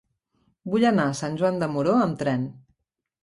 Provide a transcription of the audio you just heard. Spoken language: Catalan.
Vull anar a Sant Joan de Moró amb tren.